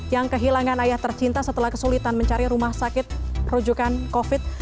yang kehilangan ayah tercinta setelah kesulitan mencari rumah sakit rujukan covid